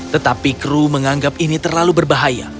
tetapi kru menganggap ini terlalu berbahaya